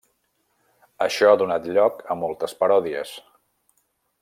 Això ha donat lloc a moltes paròdies.